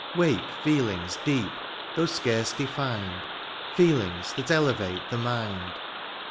Wake feelings deep, though scarce defined. Feelings that elevate tlie mind.